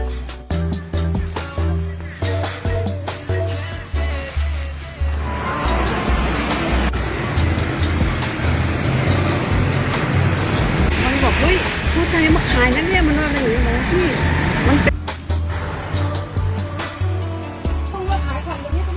มันเป็นกระแสในทวิตเตอร์